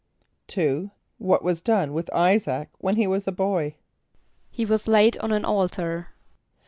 = =2.= What was done with [=I]´[s+]aac when he was a boy? =He was laid on an altar.